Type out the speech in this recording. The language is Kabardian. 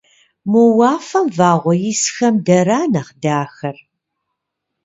Мо уафэм вагъуэ исхэм дара нэхъ дахэр?